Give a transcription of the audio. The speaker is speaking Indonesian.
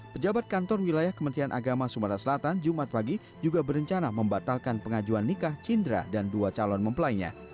pejabat kantor wilayah kementerian agama sumatera selatan jumat pagi juga berencana membatalkan pengajuan nikah cindra dan dua calon mempelainya